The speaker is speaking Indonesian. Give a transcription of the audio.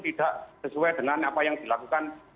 tidak sesuai dengan apa yang dilakukan